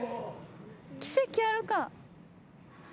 奇跡あるか。